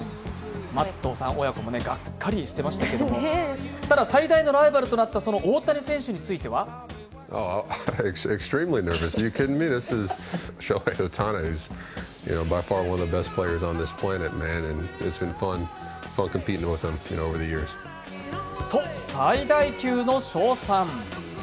マットさん親子もがっかりしてましたけれども、ただ、最大のライバルとなった大谷選手についてはと、最大級の称賛。